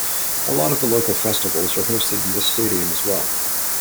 A lot of the local festivals are hosted in this stadium as well.